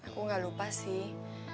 aku gak lupa sih